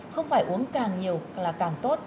không phải uống càng nhiều là càng tốt